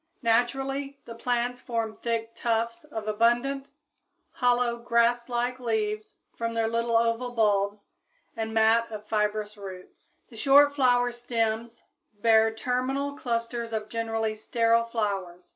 Naturally the plants form thick tufts of abundant, hollow, grasslike leaves from their little oval bulbs and mat of fibrous roots. The short flower stems bear terminal clusters of generally sterile flowers.